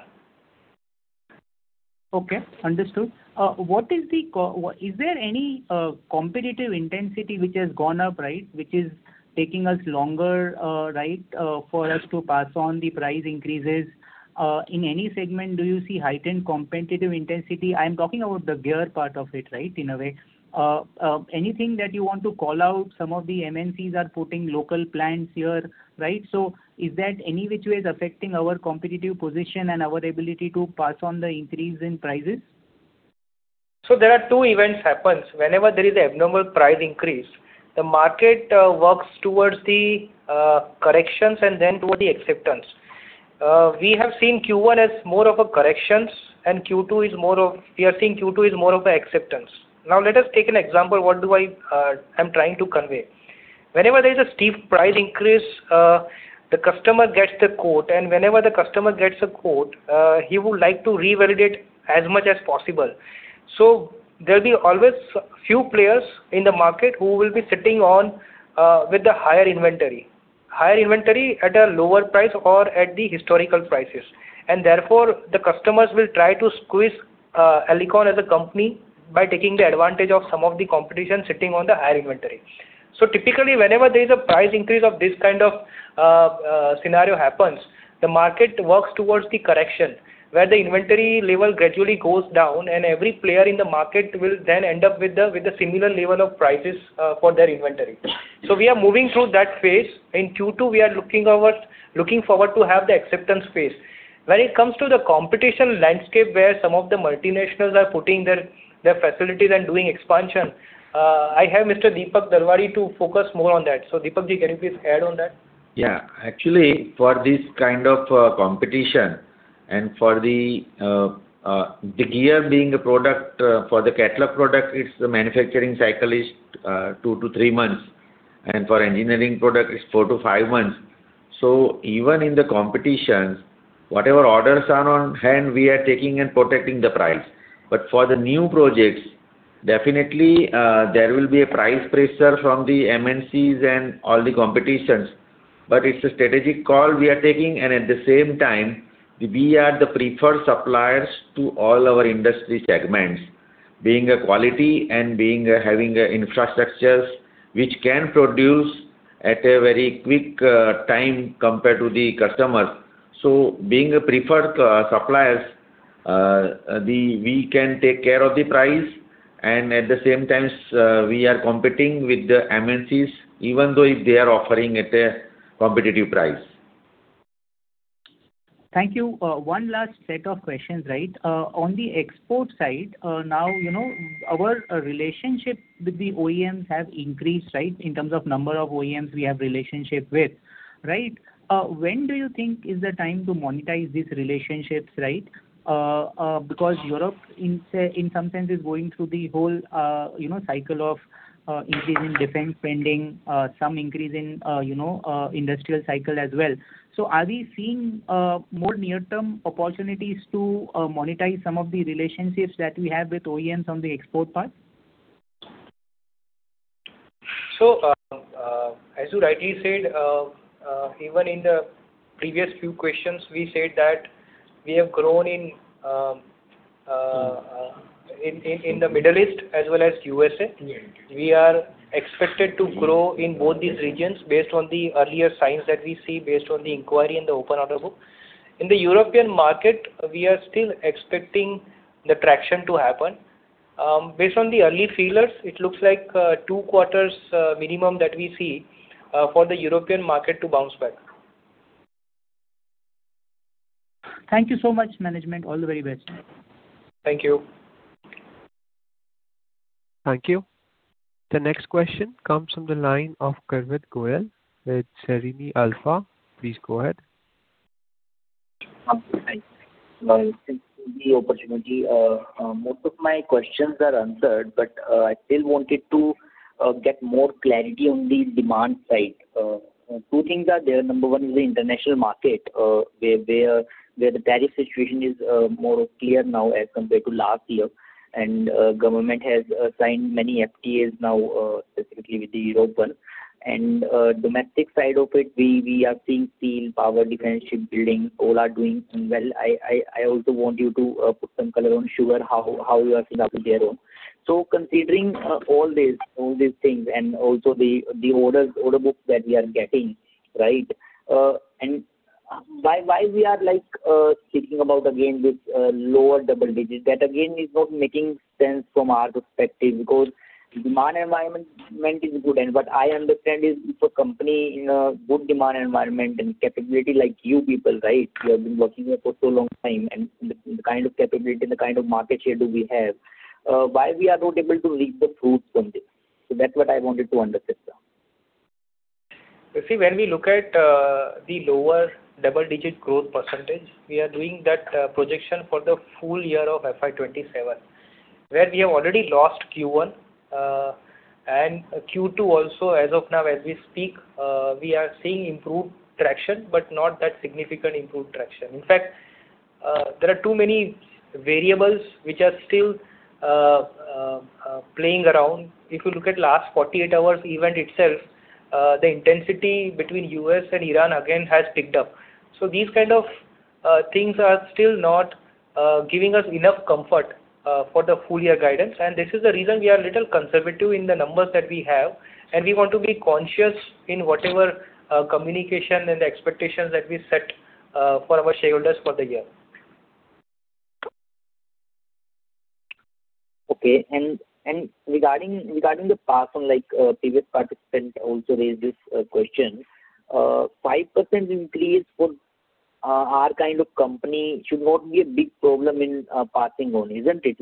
Okay, understood. Is there any competitive intensity which has gone up, which is taking us longer, for us to pass on the price increases? In any segment, do you see heightened competitive intensity? I am talking about the Gear part of it, in a way. Anything that you want to call out, some of the MNCs are putting local plants here. Is that any which way is affecting our competitive position and our ability to pass on the increase in prices? There are two events happens. Whenever there is abnormal price increase, the market works towards the corrections and then toward the acceptance. We have seen Q1 as more of a corrections, and we are seeing Q2 is more of a acceptance. Let us take an example what I'm trying to convey. Whenever there is a steep price increase, the customer gets the quote, and whenever the customer gets a quote, he would like to revalidate as much as possible. There'll be always few players in the market who will be sitting on with the higher inventory. Higher inventory at a lower price or at the historical prices. Therefore, the customers will try to squeeze Elecon as a company by taking the advantage of some of the competition sitting on the higher inventory. Typically, whenever there is a price increase of this kind of scenario happens, the market works towards the correction, where the inventory level gradually goes down and every player in the market will then end up with a similar level of prices for their inventory. We are moving through that phase. In Q2, we are looking forward to have the acceptance phase. When it comes to the competition landscape where some of the multinationals are putting their facilities and doing expansion, I have Mr. Dipak Dalwadi to focus more on that. Dipak-ji, can you please add on that? Actually, for this kind of competition and for the gear being a product, for the catalog product, its manufacturing cycle is two to three months, and for engineering product, it's four to five months. Even in the competition, whatever orders are on hand, we are taking and protecting the price. For the new projects, definitely, there will be a price pressure from the MNCs and all the competitions. It's a strategic call we are taking and at the same time, we are the preferred suppliers to all our industry segments. Being a quality and having infrastructures which can produce at a very quick time compared to the customers. Being a preferred suppliers, we can take care of the price, and at the same time, we are competing with the MNCs, even though if they are offering at a competitive price. Thank you. One last set of questions. On the export side, now, our relationship with the OEMs have increased. In terms of number of OEMs we have relationship with. When do you think is the time to monetize these relationships? Because Europe in some sense is going through the whole cycle of increase in defense spending, some increase in industrial cycle as well. Are we seeing more near-term opportunities to monetize some of the relationships that we have with OEMs on the export part? As you rightly said, even in the previous few questions, we said that we have grown in the Middle East as well as U.S.A. We are expected to grow in both these regions based on the earlier signs that we see based on the inquiry in the open order book. In the European market, we are still expecting the traction to happen. Based on the early feelers, it looks like two quarters minimum that we see for the European market to bounce back. Thank you so much, management. All the very best. Thank you. Thank you. The next question comes from the line of Garvit Goyal with Serene Alpha. Please go ahead. Thanks for the opportunity. Most of my questions are answered, but I still wanted to get more clarity on the demand side. Two things are there. Number one is the international market, where the tariff situation is more clear now as compared to last year. Government has signed many FTAs now, specifically with Europe. Domestic side of it, we are seeing steel, power, defense, shipbuilding, all are doing well. I also want you to put some color on sugar, how you are seeing that with their own. Considering all these things and also the orders, order books that we are getting Right. Why we are thinking about again this lower double digits? That again is not making sense from our perspective, because demand environment is good. What I understand is if a company in a good demand environment and capability like you people, right? You have been working here for so long time, the kind of capability and the kind of market share do we have, why we are not able to reap the fruits from this? That's what I wanted to understand, sir. You see, when we look at the lower double-digit growth percentage, we are doing that projection for the full year of FY 2027, where we have already lost Q1. Q2 also as of now, as we speak, we are seeing improved traction, but not that significant improved traction. In fact, there are too many variables which are still playing around. If you look at last 48 hours event itself, the intensity between U.S. and Iran again has picked up. These kind of things are still not giving us enough comfort for the full year guidance. This is the reason we are a little conservative in the numbers that we have, and we want to be conscious in whatever communication and expectations that we set for our shareholders for the year. Okay. Regarding the pass on, previous participant also raised this question. 5% increase for our kind of company should not be a big problem in passing on, isn't it?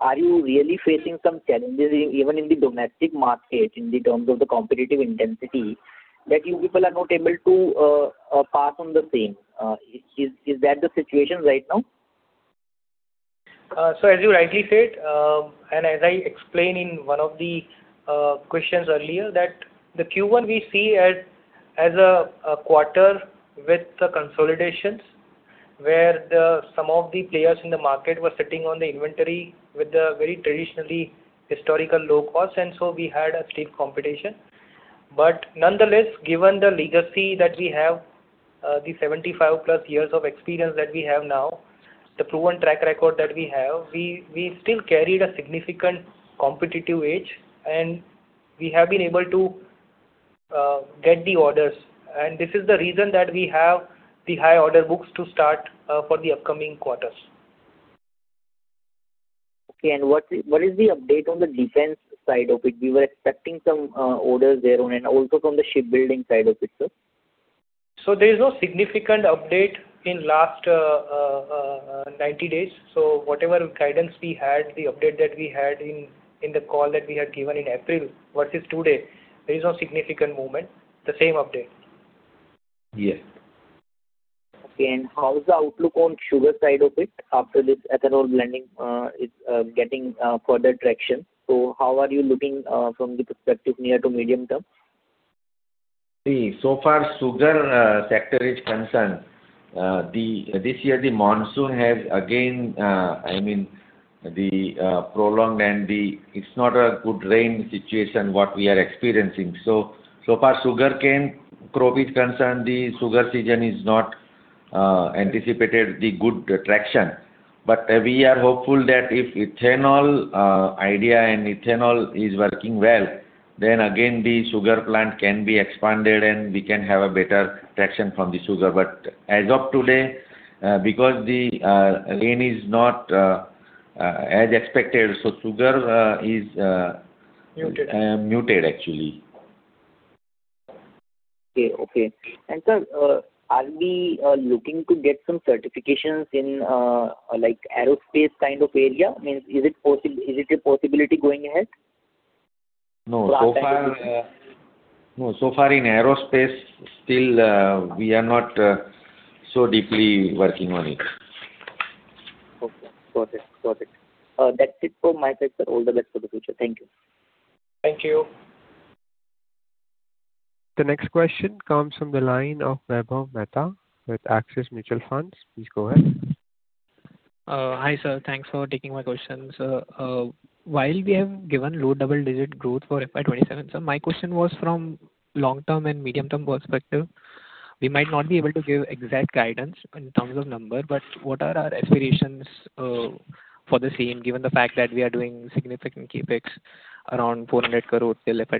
Are you really facing some challenges even in the domestic market in terms of the competitive intensity, that you people are not able to pass on the same? Is that the situation right now? As you rightly said, as I explained in one of the questions earlier, that the Q1 we see as a quarter with consolidations, where some of the players in the market were sitting on the inventory with the very traditionally historical low cost, and so we had a steep competition. Nonetheless, given the legacy that we have, the 75+ years of experience that we have now, the proven track record that we have, we still carried a significant competitive edge, and we have been able to get the orders. This is the reason that we have the high order books to start for the upcoming quarters. Okay. What is the update on the defense side of it? We were expecting some orders there, and also from the shipbuilding side of it, sir. There is no significant update in last 90 days. Whatever guidance we had, the update that we had in the call that we had given in April versus today, there is no significant movement. The same update. Yes. Okay. How is the outlook on sugar side of it after this ethanol blending is getting further traction? How are you looking from the perspective near to medium term? See, so far sugar sector is concerned, this year the monsoon has again, I mean, prolonged and not a good rain situation, what we are experiencing. So far sugarcane crop is concerned, the sugar season is not anticipated the good traction. We are hopeful that if ethanol idea and ethanol is working well, then again the sugar plant can be expanded and we can have a better traction from the sugar. As of today, because the rain is not as expected, so sugar is-- Muted. Muted, actually. Okay. Sir, are we looking to get some certifications in aerospace kind of area? I mean, is it a possibility going ahead? No. Far in aerospace, still we are not so deeply working on it. Okay. Got it. That's it from my side, sir. All the best for the future. Thank you. Thank you. The next question comes from the line of Vaibhav Mehta with Axis Mutual Fund. Please go ahead. Hi, sir. Thanks for taking my questions. While we have given low double-digit growth for FY 2027, sir, my question was from long-term and medium-term perspective. We might not be able to give exact guidance in terms of number, but what are our aspirations for the same, given the fact that we are doing significant CapEx around 400 crore till FY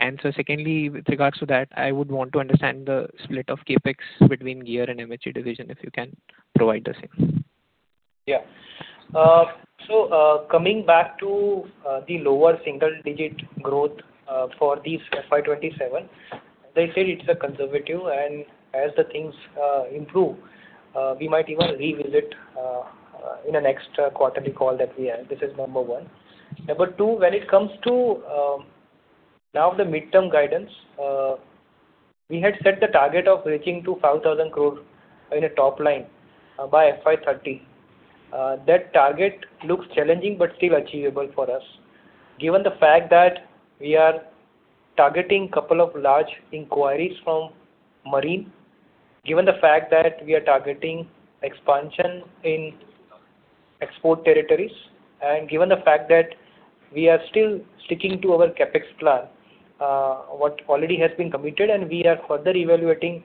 2028? Sir, secondly, with regards to that, I would want to understand the split of CapEx between Gear and MHE division, if you can provide the same. Yeah. Coming back to the lower single-digit growth for this FY 2027, as I said, it's conservative, and as the things improve, we might even revisit in the next quarterly call that we have. This is number one. Number two, when it comes to now the midterm guidance, we had set the target of reaching to 5,000 crore in a top line by FY 2030. That target looks challenging but still achievable for us, given the fact that we are targeting couple of large inquiries from marine, given the fact that we are targeting expansion in export territories, and given the fact that we are still sticking to our CapEx plan, what already has been committed, and we are further evaluating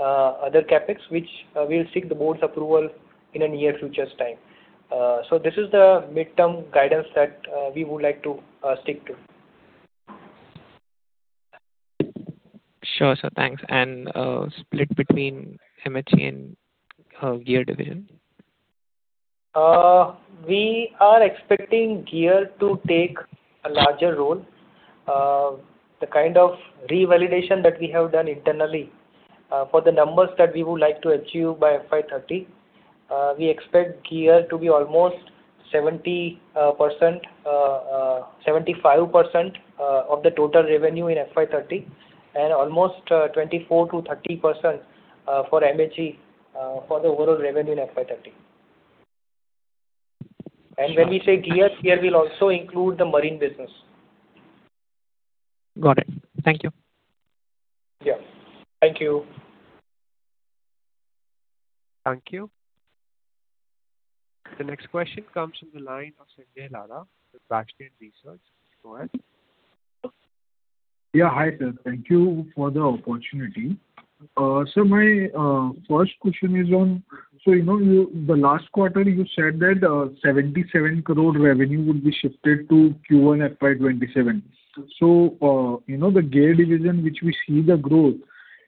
Other CapEx, which we'll seek the board's approval in a near future time. This is the midterm guidance that we would like to stick to. Sure, sir. Thanks. Split between MHE and Gear Division? We are expecting Gear to take a larger role. The kind of revalidation that we have done internally for the numbers that we would like to achieve by FY 2030, we expect Gear to be almost 70%-75% of the total revenue in FY 2030, and almost 24%-30% for MHE for the overall revenue in FY 2030. When we say Gear will also include the marine business. Got it. Thank you. Yeah. Thank you. Thank you. The next question comes from the line of Sanjay Ladha with Bastion Research. Go ahead. Hi, sir. Thank you for the opportunity. Sir, my first question is on, in the last quarter, you said that 77 crore revenue would be shifted to Q1 FY 2027. The Gear Division, which we see the growth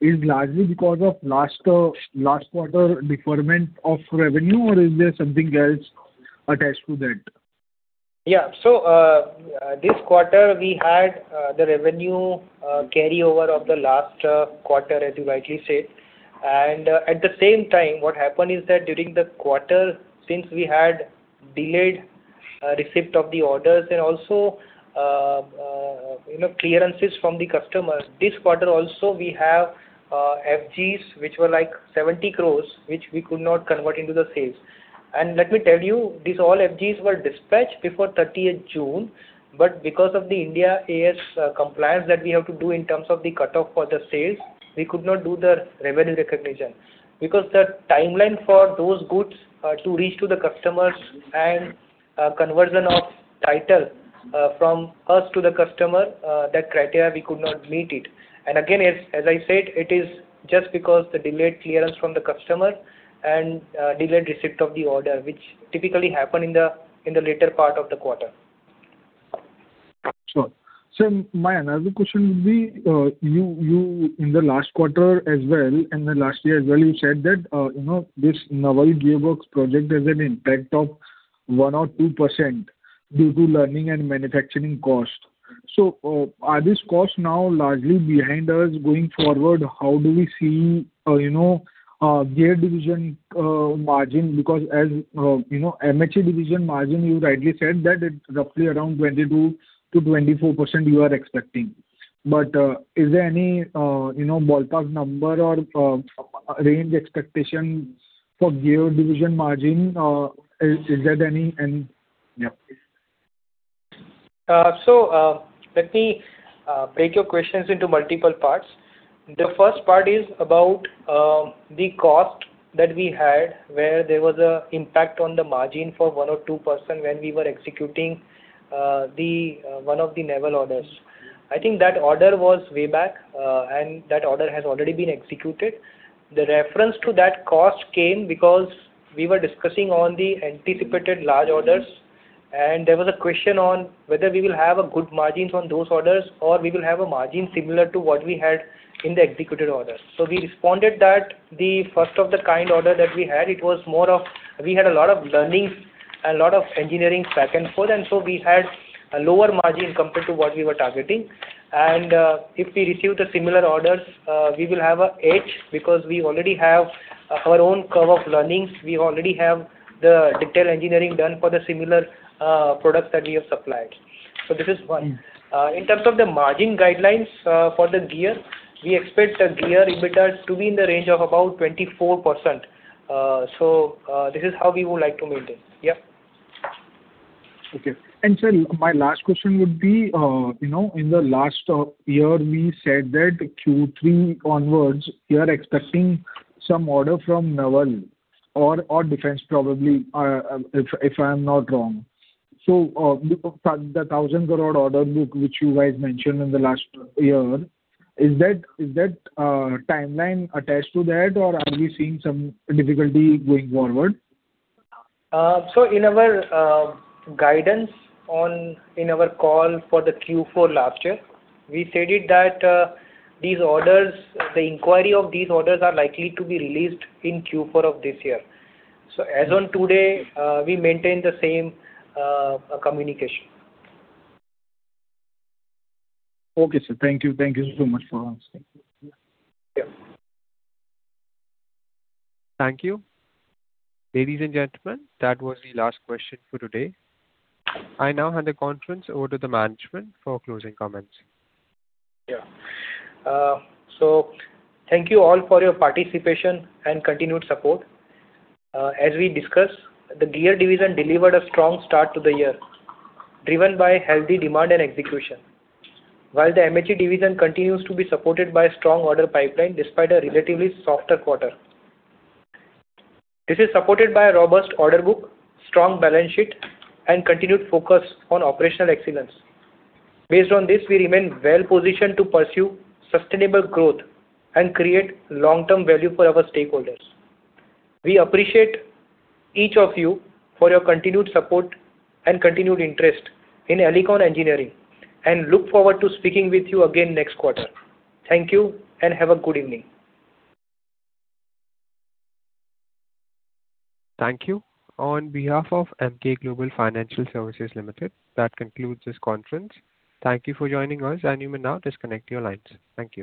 is largely because of last quarter deferment of revenue, or is there something else attached to that? This quarter, we had the revenue carryover of the last quarter, as you rightly said. At the same time, what happened is that during the quarter, since we had delayed receipt of the orders and also clearances from the customers, this quarter also, we have FGs, which were like 70 crore, which we could not convert into the sales. Let me tell you, these all FGs were dispatched before 30th June, because of the India AS compliance that we have to do in terms of the cutoff for the sales, we could not do the revenue recognition because the timeline for those goods to reach to the customers and conversion of title from us to the customer, that criteria, we could not meet it. Again, as I said, it is just because the delayed clearance from the customer and delayed receipt of the order, which typically happen in the later part of the quarter. Sure. Sir, my another question would be, in the last quarter as well, and the last year as well, you said that this Naval Gearbox project has an impact of 1% or 2% due to learning and manufacturing cost. Are these costs now largely behind us going forward? How do we see Gear Division margin? Because as MHE Division margin, you rightly said that it is roughly around 22%-24% you are expecting. Is there any ballpark number or range expectation for Gear Division margin? Is there any? Yeah, please. Let me break your questions into multiple parts. The first part is about the cost that we had, where there was an impact on the margin for 1% or 2% when we were executing one of the naval orders. I think that order was way back, and that order has already been executed. The reference to that cost came because we were discussing on the anticipated large orders, and there was a question on whether we will have good margins on those orders, or we will have a margin similar to what we had in the executed order. We responded that the first of the kind order that we had, we had a lot of learnings, a lot of engineering back and forth, and so we had a lower margin compared to what we were targeting. If we receive the similar orders, we will have a edge because we already have our own curve of learnings. We already have the detail engineering done for the similar products that we have supplied. This is one. In terms of the margin guidelines for the Gear, we expect Gear EBITDA to be in the range of about 24%. This is how we would like to maintain. Okay. Sir, my last question would be, in the last year, we said that Q3 onwards, you are expecting some order from naval or defense probably, if I am not wrong. The 1,000 crore order book, which you guys mentioned in the last year, is that timeline attached to that, or are we seeing some difficulty going forward? In our guidance in our call for the Q4 last year, we stated that the inquiry of these orders are likely to be released in Q4 of this year. As on today, we maintain the same communication. Okay, sir. Thank you. Thank you so much for answering. Yeah. Thank you. Ladies and gentlemen, that was the last question for today. I now hand the conference over to the management for closing comments. Thank you all for your participation and continued support. As we discussed, the Gear Division delivered a strong start to the year, driven by healthy demand and execution. While the MHE division continues to be supported by a strong order pipeline despite a relatively softer quarter. This is supported by a robust order book, strong balance sheet, and continued focus on operational excellence. Based on this, we remain well-positioned to pursue sustainable growth and create long-term value for our stakeholders. We appreciate each of you for your continued support and continued interest in Elecon Engineering and look forward to speaking with you again next quarter. Thank you, and have a good evening. Thank you. On behalf of Emkay Global Financial Services Limited, that concludes this conference. Thank you for joining us, and you may now disconnect your lines. Thank you.